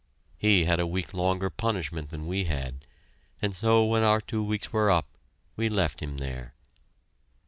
He had a week longer punishment than we had, and so when our two weeks were up we left him there.